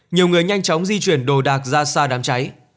nhiều người nhanh chóng di chuyển đồ đạc ra xa đám cháy